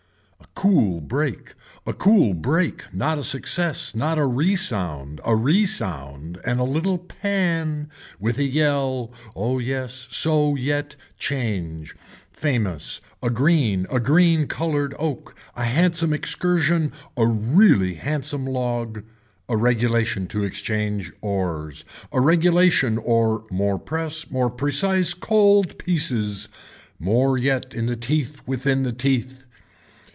A cool brake, a cool brake not a success not a re sound a re sound and a little pan with a yell oh yes so yet change, famous, a green a green colored oak, a handsome excursion, a really handsome log, a regulation to exchange oars, a regulation or more press more precise cold pieces, more yet in the teeth within the teeth.